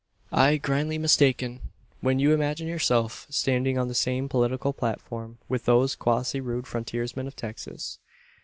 Ay, grandly mistaken, when you imagine yourself standing on the same political platform with those quasi rude frontiersmen of Texas.